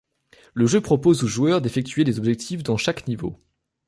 Le jeu propose au joueur d'effectuer des objectifs dans chaque niveau.